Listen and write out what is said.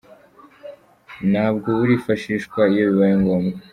Na bwo burifashishwa iyo bibaye ngombwa.